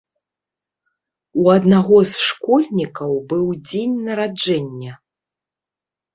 У аднаго з школьнікаў быў дзень нараджэння.